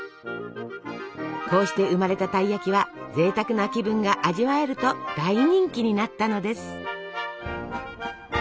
こうして生まれたたい焼きはぜいたくな気分が味わえると大人気になったのです。